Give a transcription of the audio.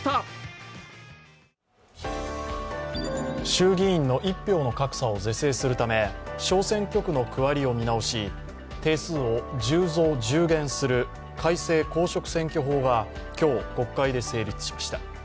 衆議院の一票の格差を是正するため、小選挙区の区割りを見直し定数を１０増１０減する改正公職選挙法が今日、国会で成立しました。